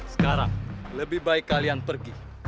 sekarang lebih baik kalian pergi